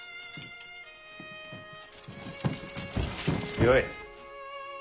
よい。